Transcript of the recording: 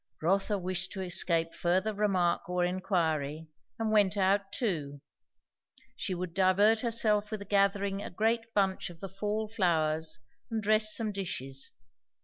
Rotha wished to escape further remark or enquiry, and went out too. She would divert herself with gathering a great bunch of the fall flowers and dress some dishes.